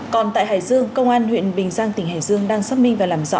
còn tại hải dương công an huyện bình giang tỉnh hải dương đang xác minh và làm rõ